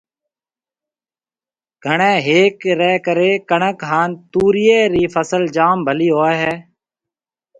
گھڻيَ ھيَََھ رَي ڪرَي ڪڻڪ ھان توريئيَ رِي فصل جام ڀلِي ھوئيَ ھيََََ